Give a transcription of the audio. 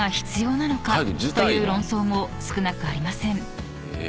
［という論争も少なくありません］